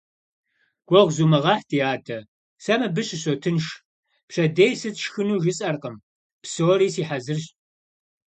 Гугъу зумыгъэхь, ди адэ, сэ мыбы сыщотынш, пщэдей сыт сшхыну жысӀэркъым, псори си хьэзырщ.